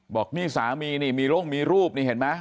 บอกมีสามีมีรุ่งมีรูปนี่เห็นมั้ย